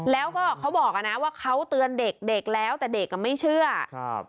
แล้วก็เขาบอกอ่ะนะว่าเขาเตือนเด็กเด็กแล้วแต่เด็กอ่ะไม่เชื่อครับ